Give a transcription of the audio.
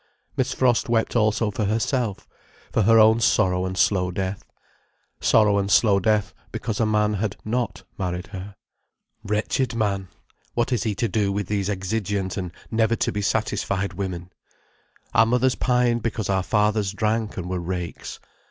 Miss Frost wept also for herself, for her own sorrow and slow death. Sorrow and slow death, because a man had not married her. Wretched man, what is he to do with these exigeant and never to be satisfied women? Our mothers pined because our fathers drank and were rakes.